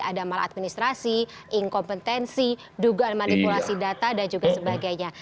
ada maladministrasi inkompetensi dugaan manipulasi data dan juga sebagainya